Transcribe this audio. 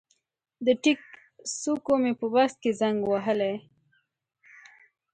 د ټیک څوکو مې په بکس کې زنګ وهلی